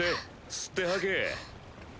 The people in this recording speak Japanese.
吸って吐け。